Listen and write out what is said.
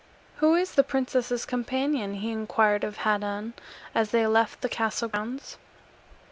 "Who is the princess's companion?" he inquired of Haddan, as they left the castle grounds.